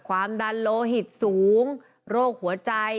ความดันโลหิตสูงโรคหัวใจ